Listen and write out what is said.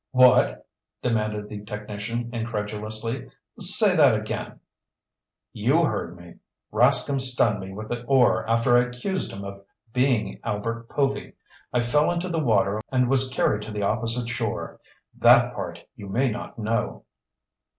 "What?" demanded the technician incredulously. "Say that again!" "You heard me. Rascomb stunned me with the oar after I accused him of being Albert Povy. I fell into the water and was carried to the opposite shore. That part you may not know."